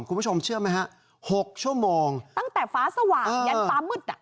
คุณผู้ชมเชื่อไหมฮะหกชั่วโมงตั้งแต่ฟ้าสว่างยันฟ้ามืดอ่ะ